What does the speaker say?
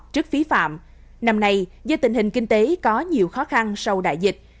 trước phí phạm năm nay do tình hình kinh tế có nhiều khó khăn sau đại dịch